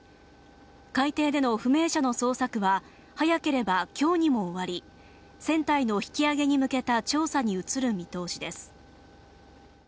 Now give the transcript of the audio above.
海底での不明者の捜索は早ければ今日にも終わり船体の引き揚げに向けた調査に移る見通しです